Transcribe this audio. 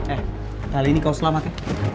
eh kali ini kau selamat ya